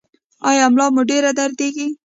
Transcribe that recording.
ایا ملا مو ډیره دردیږي؟